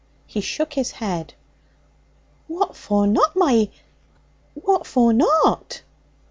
He shook his head. 'What for not, my what for not?'